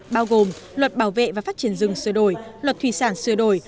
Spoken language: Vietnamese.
bao gồm luật bảo vệ và phát triển rừng sửa đổi luật thủy sản sửa đổi